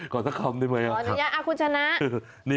ขออนุญาตคุณชนะนี่